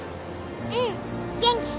うん元気！